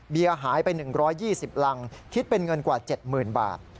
หายไป๑๒๐รังคิดเป็นเงินกว่า๗๐๐บาท